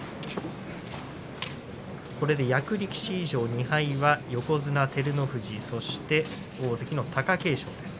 これで役力士以上２敗は横綱照ノ富士そして大関の貴景勝です。